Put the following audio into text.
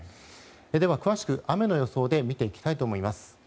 では、詳しく雨の予想で見ていきたいと思います。